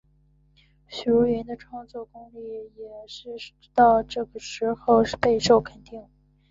许茹芸的创作功力也是到这个时候备受肯定。